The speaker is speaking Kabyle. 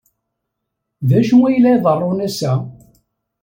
D acu ay la iḍerrun ass-a?